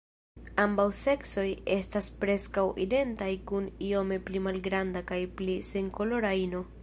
Ambaŭ seksoj estas preskaŭ identaj kun iome pli malgranda kaj pli senkolora ino.